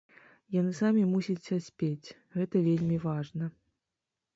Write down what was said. Яны самі мусяць саспець, гэта вельмі важна.